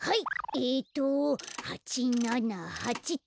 えっと８７８っと。